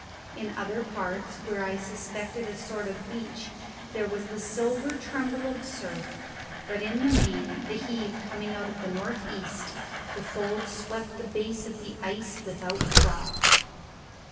In other parts, where I suspected a sort of beach, there was the silver tremble of surf; but in the main, the heave coming out of the north east, the folds swept the base of the ice without froth.